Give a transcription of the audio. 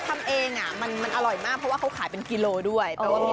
ทำเองอ่ะมันน่ร้อนครับเพราะว่าเขาขายเป็นกีโล่ด้วย